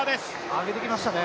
上げてきましたね。